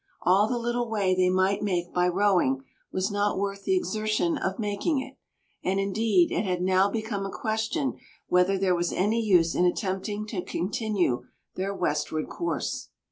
All the little way they might make by rowing was not worth the exertion of making it; and indeed it had now become a question whether there was any use in attempting to continue their westward course.